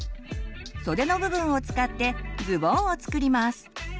袖の部分を使ってズボンを作ります。